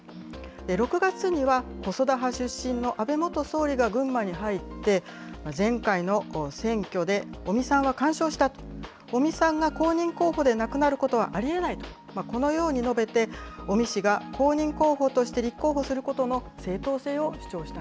６月には、細田派出身の安倍元総理が群馬に入って、前回の選挙で尾身さんは完勝した、尾身さんが公認候補でなくなることはありえないと、このように述べて、尾身氏が公認候補として立候補することの正当性を主張した